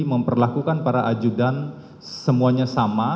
memperlakukan para ajudan semuanya sama